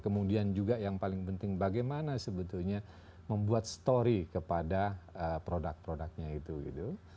kemudian juga yang paling penting bagaimana sebetulnya membuat story kepada produk produknya itu gitu